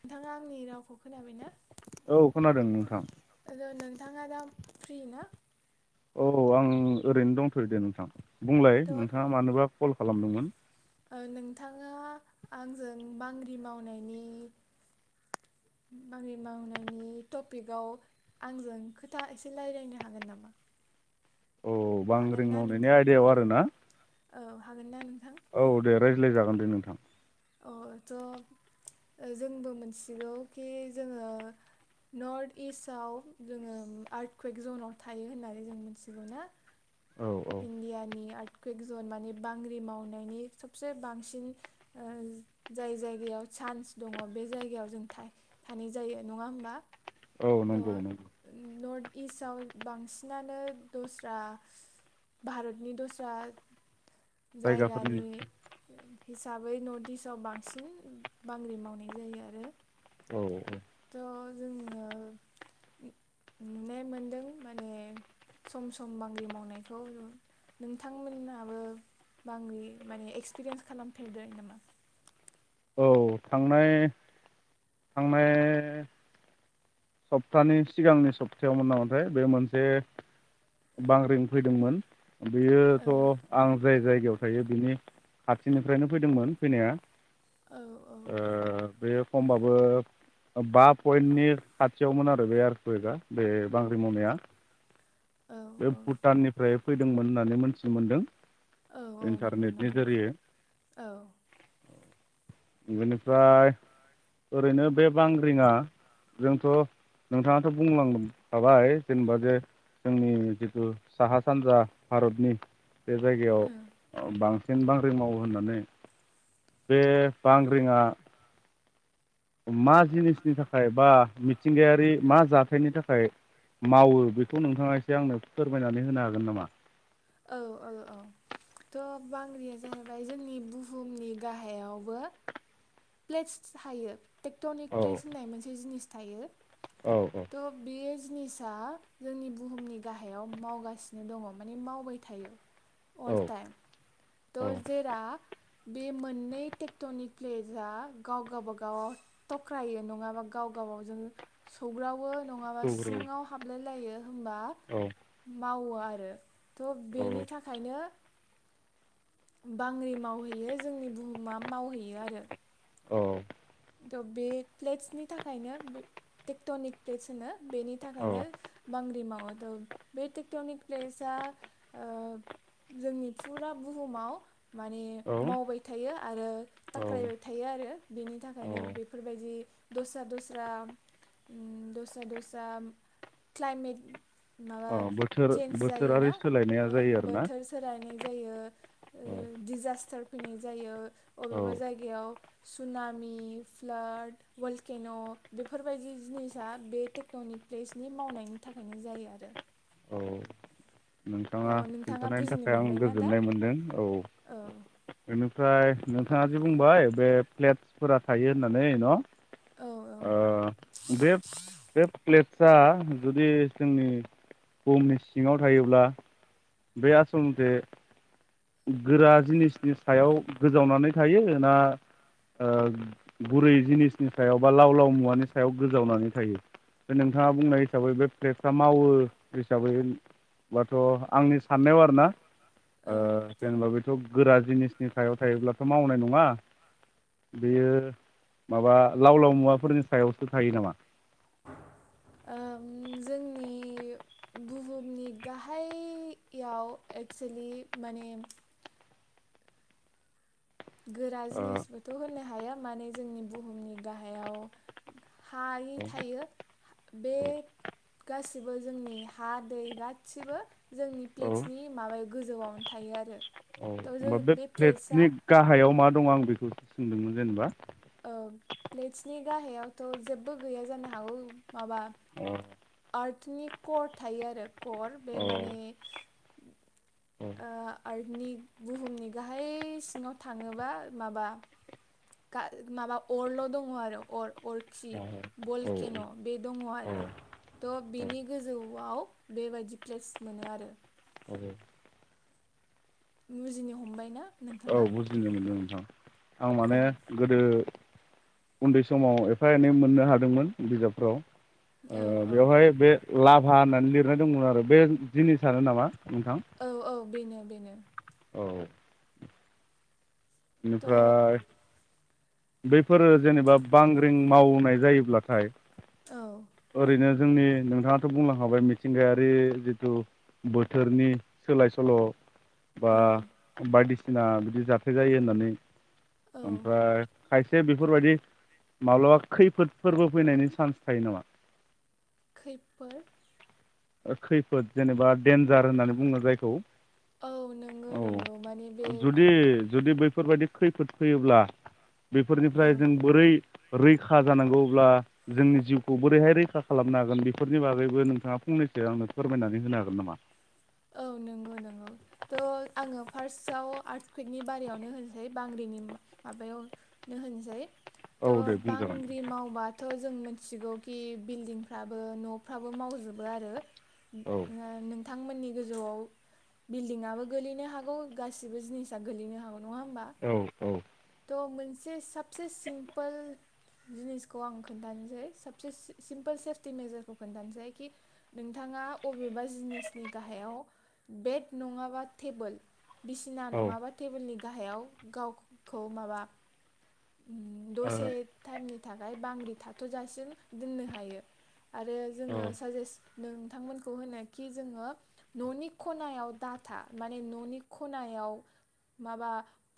नोंथाङा आंनि रावखौ खोनाबायना? औ खोनादों नोंथां र नों थाङा दा फ्रि ना? औ, आं ओरैनो दंथ'यो दे नोंथां। बुंलाय थ' नोंथाङा मानोबा कल खालामदोंमोन? नोंथाङा आंजों बांग्रि मावनायनि बांग्रि मावनायनि टपिकआव आंजों खोथा एसे रायज्लायनो हागोन नामा? औ हागोन बांग्रिं ना मावनायनि नोंथां आयदायाव आरो ना औ हागोन नान रायलाय जागोन दे नोंथां। ओ थ' ओ जोंबो मोनथिगौ कि जोङो नर्थ इस्टआव जोङो आर्टकुइक जनाव थायो होननानै जों मिथिगौ ना औ औ इनडियानि आ कुइक जन माने बांग्रि मावनायनि सबसे बांसिन जाय जायगायाव चान्स दङ बे जायगायाव जों थानाय जायो नङा होमबा? औ द नंगौ नंगौ नर्ट इस्टआव बांसिनानो दस्रा भारतनि दस्रा जायगाफोरनि जायगानि हिसाबै नर्थ इस्टआव बांसिन बांग्रि मावनाय जायो आरो औ थ जोङो नुनाय मोनदों माने सम-सम बांग्रि मावनायखौ नोंथांमोनाबो बांग्रि माने एक्सपिरियेन्स खालामफेरदों नामा? औ थांनाय-थांनाय सप्तानि सिगांनि सप्तायावमोन नामाथाय बे मोनसे बांग्रिं फैदोंमोन बेयोथ' आं जाय-जाय याव थायो बिनि आथिनिफ्रायनो फैदोंमोन फैनाया औ औ ओ बे समबाबो बा पइन्टनि खाथियावमोन आरो बे आरकुइकआ बे बांग्रि मावनाया औ बे भुटाननिफ्राय फैदोंमोन होननानै मोनथि मोनदों। औ औ इन्टारनेटनि नंग-नंगौ जोरियै औ। बेनिफ्राय ओरैनो बे बांग्रिङा जोंथ' नोंथाङाथ बुंलांखाबाय जेनेबा जे जोंनि जिथु साहा सानजा भारतनि बे औ जायगायाव बांसिन बांग्रिं मावो होननानै बे बांग्रिङा मा जिनिसनि थाखाय बा मिथिंगायारि मा जाथायनि थाखाय मावो बेखौ नोंथाङा एसे आंनो फोरमायनानै होनो हागोन नामा? औ औ औ थ' बांग्रिया जाहैबाय जोंनि बुहुमनि गाहायावबो प्लेटस थायो। टेक्ट्र'निक औ प्लेेज होननाय मोनसे जिनिस थायो। औ थ बेयो जिनिसा जोंनि बुहुमनि गाहायाव मावगासिनो दङ माने मावबाय थायो। अल औ टायेम। थ औ जेरा बे मोननै टेक्टनिक प्लेजआ गाव गावबा गाव थख्रायो नङाबा गाव गाबावजों सौग्रावो नङाबा सौग्राव सिङाव हाबलाय जायो। होनबा औ य मावो आरो। थ' औ बेनि थाखायनो बांग्रि मावहैयो जोंनि बुहुमा मावहैयो आरो। औ। त बे प्लेटसनि थाखायनो टेक्टनिक प्लेटस होनो। बेनि थाखायनो बांग्रि माव [unintelligible] बे टेक्टनिक प्लेसआ ओ जोंनि फुरा बुहुमाव माने औ मावबाय थायो आरो औ थाख्रायबाय थायो आरो बेनि थाखाय। औ [unintelligible] बेफोरबायदि दस्रा दस्रा उम दस्रा दस्रा क्लाइमेट माबा अ बोथोर चेन्ज बोथोरारि जायोना सोलायनाया ओ जायो आरोना बोथोर सोलायनाय जायो औ दिडिजास्टार फैनाय जायो। औ अबेबा जायगायाव सुना मि फ्लाद वालकेन' बेफोरबायदि जिनिसा बे टेकन'निक प्लेसनि मावनायनि थाखायनो जायो आरो। औ। नोंथाङा थ' नोंथाङा खिन्थानायनि बुजिनो थाखाय आं मोनबायना दा गोजोननाय मोनदों औ। औ ओमफ्राय नोंथाङा जि बुंबाय बे प्लेटसफोरा थायो होननानै न' औ औ ओ बे बे प्लेटसा जुदि जोंनि बुहुमनि सिङाव थायोब्ला बे आसलथे गोरा जिनिसनि सायाव गोजावनानै थायो ना ओ गुरै जिनिसनि सायाव बा लाव लाव मुवानि सायाव गोजावनानै थायो बे नोंथाङा बुंनाय हिसाबै बे प्लेटस आ मावो हिसाबै बाथ' आंनि साननायाव आरोना ओ बेथ' गोरा जिनिसनि सायाव थायोब्लाथ' मावनाय नङा बेयो माबा लाव लाव मुवाफोरनि सायावसो थायो नामा? ओ जोंनि बुहुमनि गाहाययाव एक्सुलि माने गोरा ओ जिनिसबोथ' होना हाया माने जोंनि बुहुमनि गाहायाव हायो औ थायो बे गासिबो जोंनि हा दै गासिबो जोंनि औ औ प्लेटसनि माबायाव गोजौआवनो थायो आरो। औ थ' जों होमबा बे प्लेट्सआ प्लेटनि गाहायाव। मा दं आं बेखौसो सोंदोंमोन जेनेबा। ओ प्लेटसनि गाहायावथ' जेबो गैया जानो हागौ माबा अ औ आर्टनि कर थायो आरो कर बे आ माने औ औ ओ आर्टनि बुहुमनि गाहाय सिङाव थाङोबा माबा। माबा अरल' दङ आरो अर अरखि औ बलकेन' बे दङ आरो औ थ' बिनि गोजौआव बेबायदि प्लेस मोनो आरो। औ बुजिनो हमबाय ना नोंथाङा। औ बुजिनो मोनदों नोंथां आं औ माने गोदो उन्दै समाव एफा एनै मोननो हादोंमोन बिजाबफ्राव। औ ओ औ बेवहाय बे। लाभा होननानै लिरनाय दंमोन आरो बे जिनिसानो नामा। नोंथां औ औ बेनो बेनो। [unintelligible] औ थ' औ बेनिफ्राय। बैफोरो जेनेबा बांग्रिं मावनाय जायोब्लाथाय ओरैनो औ जोंनि नोंथाङाथ' बुंलांखाबाय मिथिंगायारि जिथु बोथोरनि सोलाय सोल' बा बायदि सिना बिदि जाथाय जायो होनना नै औ ओमफ्राय खायसे बेफोरबायदि माब्लाबा खैफोद फोरबो फैनायनि चान्स थायो नामा? खैफोद खैफोद जेनेबा देन्जार होननानै बुङो जायखौ। औ नंगौ नंगौ माने बे औ जुदि जुदि बै फोरबायदि खैफोद फैयोब्ला औ बेफोरनिफ्राय जों बोरै रैखा जानांगौब्ला जोंनि जिउखौ बोरैहाय रैखा खालामनो हागोन बेफोरनि बागैबो नोंथाङा फंनैसो आंनो फोरमायनानै होनो हागोन नामा? औ नंगौ नंगौ थ' आङो फार्स्टआव आर्ट कुइकनि बारयावनो होनसै बांग्रिनि माबायावनो होनसै थ' औ दे बुंजागोन बांग्रि मावबाथ' जों मो थिगौ खि बिल्डिंफ्राबो न'फ्राबो मावजोबो आरो औ नों [inaudible] थांमोननि गोजौआव बिल्डिंआबो गोलैनो हागौ गासिबो जिनिसा गोलैनो हागौ नङा होमबा औ औ। थ' मोनसे साबसे सिम्पोल जिनिसखौ आं खोनन्थानोसै साबसे सिम्पोल सेफटि मेजारखौ खोनन्थानोसै कि नोंथाङा अबेबा जिनिसनि गाहायाव बेग नङाबा टेबोल बिसिना ओ नङाबा टेबोलनि गाहायाव गावखौ खौ माबा उ दसे टाइमनि थाखाय बांग्रि थाथ'जासिम दोननो हायो। आरो जोङो औ साजेस्ट नोंथांमोनखौ होनोखि जोङो न'नि खनायाव डाटा माने न'नि खनायाव माबा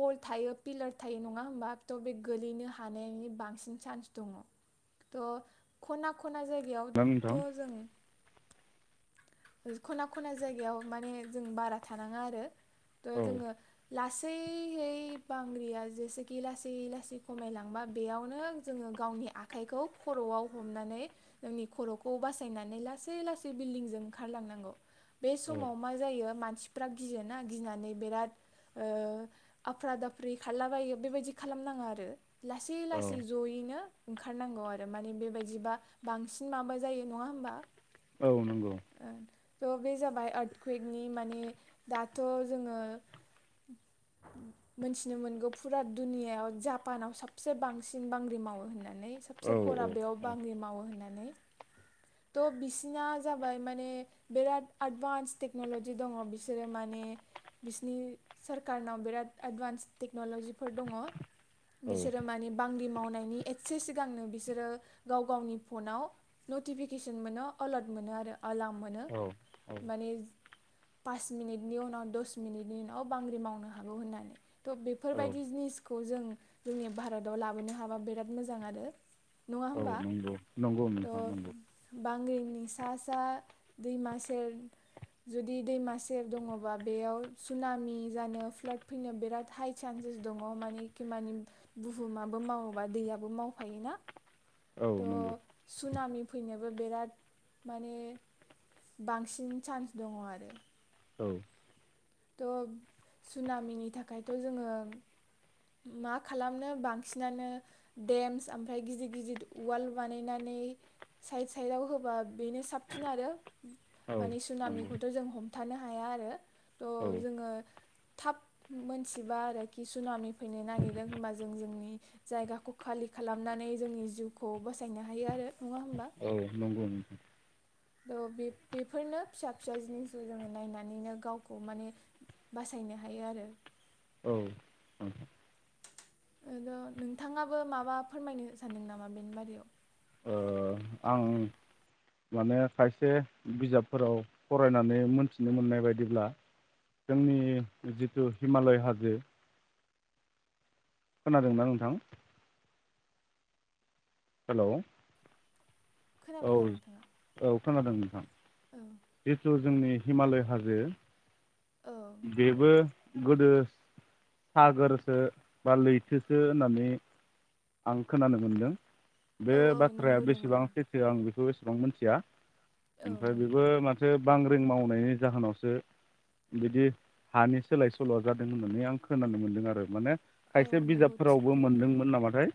पल थायो पिलार थायो नङा होमबा त' बे गोलैनो हानायनि बांसिन सान्स दङ त' खना ख खना जायगायाव नोंथां त' जों खना खना जायगायाव माने जों बारा थानाङा आरो त' औ जोङो लासैैहै बांग्रिया जेसेखि लासै लासै खमायलांबा बेयावनो जोङो गावनि आखाइखौ खर'आव हमनानै नोंनि खर'खौ बासायनानै लासै लासै बिल्डंजों ओंखारलांनांगौ। बे औ समाव मा जायो मा सिफ्रा गियोना गिनानै बिराद आफ्रा दाफ्रि खारलाबायो बेबायदि खालामनाङा आरो लासै लासै औ ज'यैनो ओंखारनांगौ आरो माने बेबायदिबा बांसिन माबा जायो नङा होमबा औ नंगौ आ त' बे जाबाय आर्थकुइकनि माने दाथ' जोङो मोनथिनो मोनगौ फुरा दुनियाव जापानाव सबसे बांसिन बांग्रि मावो होनना नै औ सबसे खरा बेयाव बांग्रि मावो होनना नै त' बिसिना जा बाय माने बिराद एदभान्स टेक्न'लजि दङ बिसोरो माने बिसिनि सरखारनाव बिराद एदभान्स टे क्न'लजिफोर दङ बिसोरो औ माने बांग्रि मावनायनि एसे सि गांनो बिसोरो गाव गावनि फनाव नटिफिकेसन मोनो एलार्ट मोनो आरो आलाम मोनो औ माने पास मिनिटनि उनाव दस मिनिटनि उनाव बांग्रि मावनो हागौ होननानै त' बेफोरबायदि औ जिनिस खौ जों जोंनि भारताव लाबोनो हाबा बिराद मोजां आरो नङा होमबा नंगौ नंगौ नोंथां नंगौ त' बांग्रि नि सास सा दैमा सेर जुदि दैमा सेर दङबा बेयाव सुनामि जानो फ्लाद फैनो बिराद हाइ सान्सेस दङ मानेखि माने बुहुमाबो मावोबा दैयाबो मावफायोना औ नंगौ त' सुनामि फैनो बो बिराद माने बांसिन चान्स दङ आरो औ त' सुनामिनि थाखायथ' जोङो मा खालामनो बांसिनानो देमस ओमफ्राय गिदिर गिदिर वाल बानायनानै साइद साइडआव होबा बेनो साबसिन आरो औ माने नंगौ सुनामनिखौथ' जों हम थानो हाया आरो थ औ जोङो थाब मोनथिबा आरोखि सुनामि फैनो नागिरदों होमबा जों जोंनि जायगाखौ खालि खालामनानै जोंनि जिउखौ बसायनो हायो आरो, नङा होमबा औ नंगौ थ बे बेफोरनो फिसा फिसा जिनिसखौ जोङो नायनानैनो गावखौ माने बासायनो हायो आरो औ औ औ नोंथाङाबो माबा फोरमायनो सानदों नामा बेनि बारैयाव? ओ आं माने खायसे बिजाबफोराव फरायनानै मोनथिनो मोननाय बायदिब्ला जोंनि जिथु हिमालय हाजो खोनादोंना नोंथां? हेलौ औ खोनाबाय दा नोंथाङा औ खोनादों नोंथां औ जिथु जोंनि हिमालय हाजो औ बेबो गोदो सागोरसो बा लैथोसो होननानै आं खोनानो मोनदों बे औ औ बाथ्राया नंगौ नंगौ बेसेबां सैथो आं बेखौ नों मोनथिया? औ ओमफ्राय औ बेबो माथो बांग्रिं मावनायनि जाहोनावसो बिदि हानि सोलाय सोल'आ जादों होननानै आं खोनानो मोन्दों आरो माने औ खायसे नंगौ थिग बिजाबफोरावबो बुंदों मोनदोंमोन नामाथाय?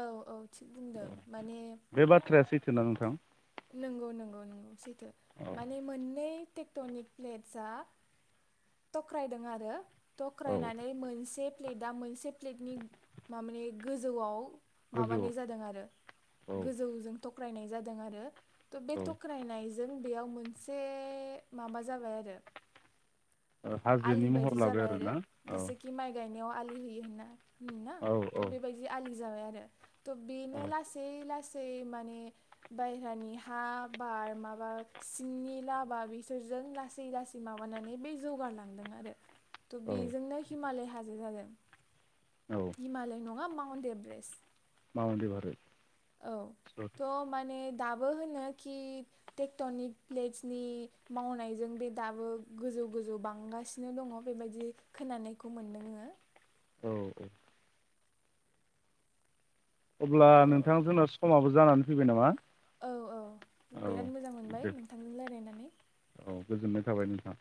औ औ थिग बुंदों माने सैथो ना नोंथां? नंगौ नंगौ नंगौ सैथो। औ माने मोननै टेक्टनिक प्लेटसआ तख्रायदों आरो। औ तख्रायनानै मोनसे प्लेटआ मोनसे प्लेटनि मा माने गोजौआव माबानाय गोजौआव जादों आरो औ गोजौजों तक्रायनाय जादों आरो। त' बे औ तक्रायनाय जों बेयाव मोनसे माबा जाबाय आरो। ओ आलि हाजोनि महर लाबाय आरोना औ। नायाव आलि होयो होनना। हम ना औ त' बेबायदि आलि जाबाय आरो। त' बेनो औ लासेै लासै सै माने बायहेरानि हा बार माबा सिंनि लाबा बिसोरजों लासै लासै माबानानै बे जौगारला थांदों आरो। त' औ बेजोंनो हिमालय हाजो जादों। औ हिमालय नङा मा अन देब्रेस। माबादि बारो? औ थ' माने दाबो होनो कि टेक्टनिक प्लेटसनि मावनायजों बे दाबो गोजौ गोजौ बांगासिनो दङ बेबायदि खोनानायखौ मोनदोंङो। औ औ। अब्ला नोंथां थ' जोंना समाबो जानानै फैबाय नामा? औ औ औ बेराद मोजां मोनबाय दे नोंथांजों लायरायनानै। औ गोजोननाय थाबाय नोंथां।